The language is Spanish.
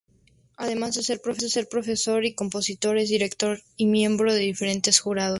Además de ser profesor y compositor, es director y miembro de diferentes jurados.